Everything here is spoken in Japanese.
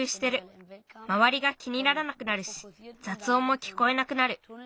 まわりが気にならなくなるしざつおんもきこえなくなる。